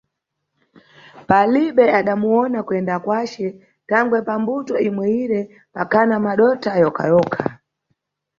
Palibe adamuyona kuyenda kwace, thangwe pambuto imweyire pakhana madotha yokha-yokha.